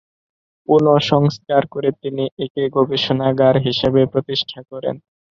পুনঃসংস্কার করে তিনি একে গবেষণাগার হিসেবে প্রতিষ্ঠা করেন।